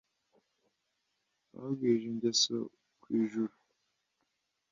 bagwirije ingeso ku ijuru,